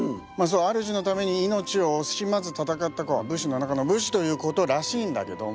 あるじのために命を惜しまず戦った武士の中の武士ということらしいんだけど。